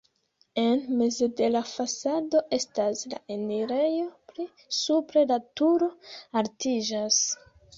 En meze de la fasado estas la enirejo, pli supre la turo altiĝas.